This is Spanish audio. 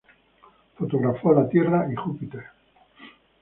Fotografió la Tierra y Júpiter.